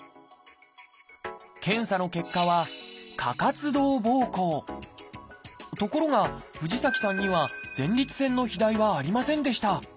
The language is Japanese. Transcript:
検査の結果はところが藤崎さんには前立腺の肥大はありませんでした。